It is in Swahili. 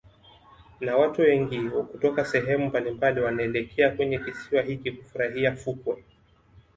Na watu wengi kutoka sehemu mbalimbali wanaelekea kwenye kisiwa hiki hufurahia fukwe